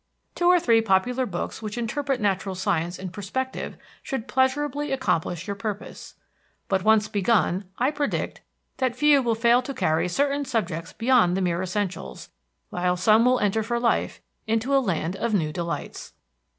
Two or three popular books which interpret natural science in perspective should pleasurably accomplish your purpose. But once begun, I predict that few will fail to carry certain subjects beyond the mere essentials, while some will enter for life into a land of new delights.